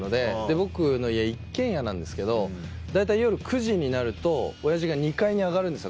僕の家一軒家なんですけど大体夜９時になると親父が２階に上がるんですよ